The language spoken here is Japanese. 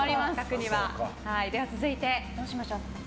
続いて、どうしましょう？